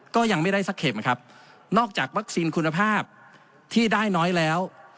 ก็ยังไม่ได้สักเข็มครับนอกจากวัคซีนคุณภาพที่ได้น้อยแล้ว